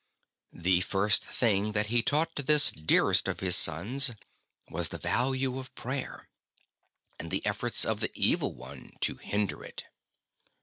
The first thing that he taught to this dearest of his sons was the value of prayer, and the efforts of the Evil One to hinder it.